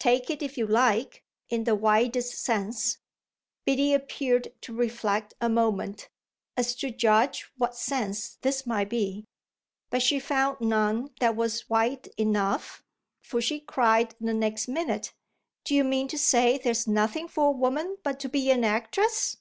Take it if you like in the widest sense." Biddy appeared to reflect a moment, as to judge what sense this might be. But she found none that was wide enough, for she cried the next minute: "Do you mean to say there's nothing for a woman but to be an actress?"